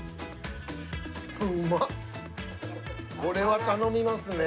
これは頼みますね。